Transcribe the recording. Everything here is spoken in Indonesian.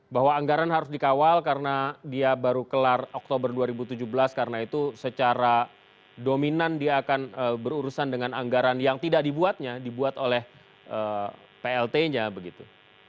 bahwa anggaran harus dikawal karena dia baru kelar oktober dua ribu tujuh belas karena itu secara dominan dia akan berurusan dengan anggaran yang tidak dibuatnya dibuat oleh plt nya begitu